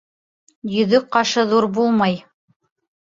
Йөҙөк ҡашы ҙур булмай.